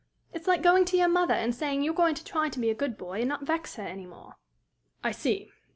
It's like going to your mother, and saying you're going to try to be a good boy, and not vex her any more." "I see.